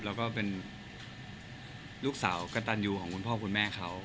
แล้วก็เป็นลูกสาวกระตันยูของคุณพ่อคุณแม่เขา